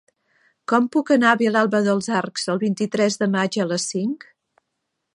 Com puc anar a Vilalba dels Arcs el vint-i-tres de maig a les cinc?